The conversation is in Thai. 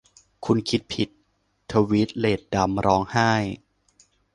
'คุณคิดผิด !' ทวีดเลดดัมร้องไห้